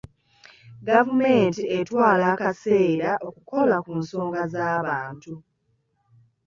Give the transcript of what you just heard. Gavumenti etwala akaseera okukola ku nsonga z'abantu.